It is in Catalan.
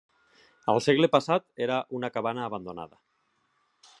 Al segle passat era una cabana abandonada.